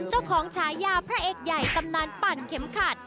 เจ้าของชายาพระเอกใหญ่ตำนานปั่นเข็มขัด